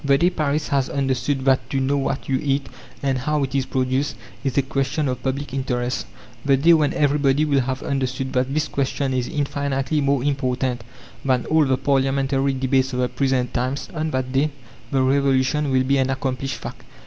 The day Paris has understood that to know what you eat and how it is produced, is a question of public interest; the day when everybody will have understood that this question is infinitely more important than all the parliamentary debates of the present times on that day the Revolution will be an accomplished fact.